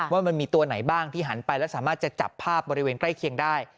ว่ามันมีตัวไหนบ้างที่หันไปแล้วสามารถจะจับภาพบริเวณใกล้เคียงได้